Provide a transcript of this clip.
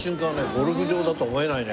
ゴルフ場だとは思えないね